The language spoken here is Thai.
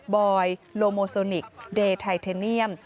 บอยโลโมโซนิกเดย์ไทเทเนียม